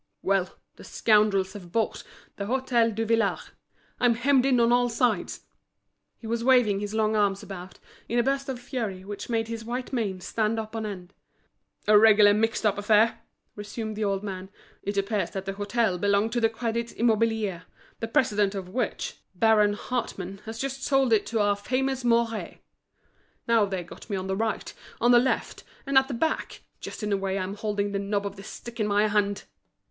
"Well! the scoundrels have bought the Hôtel Duvillard. I'm hemmed in on all sides!" He was waving his long arms about, in a burst of fury which made his white mane stand up on end. "A regular mixed up affair," resumed the old man. "It appears that the hôtel belonged to the Crédit Immobilier, the president of which. Baron Hartmann, has just sold it to our famous Mouret. Now they've got me on the right, on the left, and at the back, just in the way I'm holding the knob of this stick in my hand!"